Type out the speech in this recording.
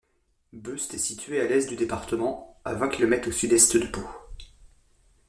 Beuste est située à l'est du département, à vingt kilomètres au sud-est de Pau.